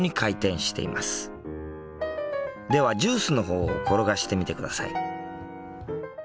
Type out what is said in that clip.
ではジュースの方を転がしてみてください。